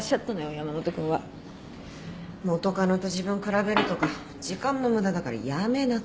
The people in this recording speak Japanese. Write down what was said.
山本君は。元カノと自分を比べるとか時間の無駄だからやめなって。